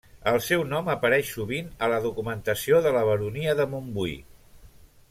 El seu nom apareix sovint a la documentació de la baronia de Montbui.